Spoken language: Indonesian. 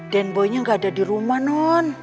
den boynya gak ada di rumah non